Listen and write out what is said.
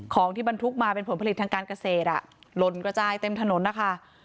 ของที่บรรทุกมาเป็นผลผลิตทางการเกษตรหล่นกระจายเต็มถนนนะคะ